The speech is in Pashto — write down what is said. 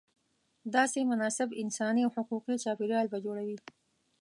داسې مناسب انساني او حقوقي چاپېریال به جوړوې.